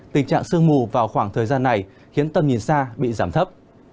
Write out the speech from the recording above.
tình trạng sương mù vào khoảng thời gian này khiến tầm nhìn xa bị giảm thấp